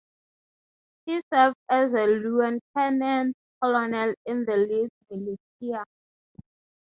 He served as lieutenant-colonel in the Leeds militia.